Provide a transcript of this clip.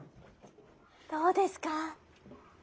どうですか？